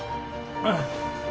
ああ。